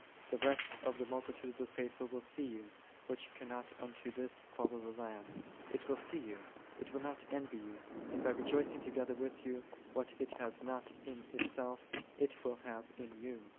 The rest of the multi tude of the faithful will see you, which cannot unto this follow the Lamb; it will see you, it will not envy you: and by rejoicing together with you, what it hath not in itself, it will have in you.